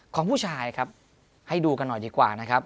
ของผู้ชายครับให้ดูกันหน่อยดีกว่านะครับ